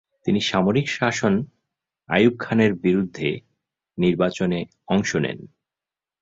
তিনি সামরিক শাসন আইয়ুব খানের বিপক্ষে নির্বাচনে অংশ নেন।